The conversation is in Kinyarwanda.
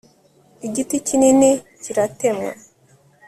igiti kinini kiratemwa